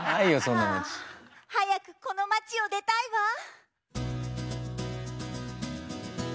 早くこの町を出たいわ。